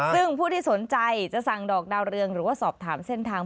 ซึ่งผู้ที่สนใจจะสั่งดอกดาวเรืองหรือว่าสอบถามเส้นทาง